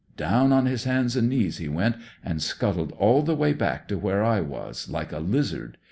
Down on his hands and knees he went, and scuttled all the way back to where I was, like a lizard.